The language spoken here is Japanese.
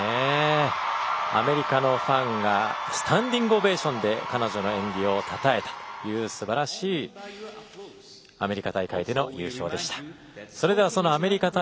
アメリカのファンがスタンディングオベーションで彼女の演技をたたえたという、すばらしいアメリカ大会での優勝でした。